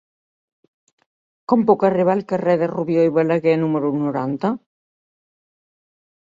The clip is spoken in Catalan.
Com puc arribar al carrer de Rubió i Balaguer número noranta?